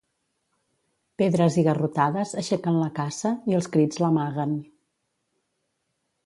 Pedres i garrotades aixequen la caça i els crits l'amaguen.